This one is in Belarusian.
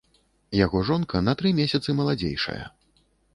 Яго жонка на тры месяцы маладзейшая.